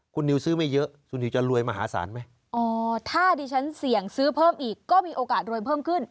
คุณนิวซื้อไม่เยอะคุณนิวจะรวยมหาศาลไหมอ๋อถ้าดิฉันเสี่ยงซื้อเพิ่มอีกก็มีโอกาสรวยเพิ่มขึ้น